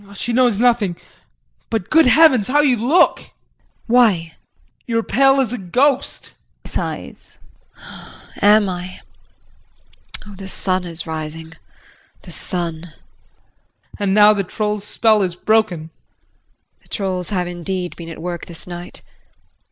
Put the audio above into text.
JEAN. She knows nothing. But, good heavens, how you look! JULIE. Why? JEAN. You are pale as a ghost. JULIE. Am I? Oh, the sun is rising, the sun! JEAN. And now the troll's spell is broken. JULIE. The trolls have indeed been at work this night.